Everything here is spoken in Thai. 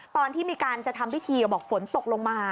ตอนที่มีการจะทำพิธีบอกฝนตกลงมา